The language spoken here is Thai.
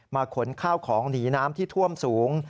ขนข้าวของหนีน้ำที่ท่วมสูง